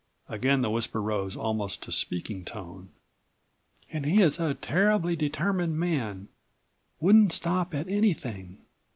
again the whisper rose almost to speaking tone. "And he is a terribly determined man; wouldn't stop at anything."